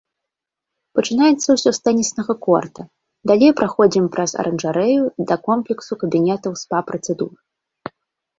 Пачынаецца ўсё з тэніснага корта, далей праходзім праз аранжарэю да комплексу кабінетаў спа-працэдур.